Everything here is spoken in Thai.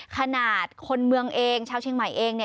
ขนาดคนเมืองเองชาวเชียงใหม่เองเนี่ย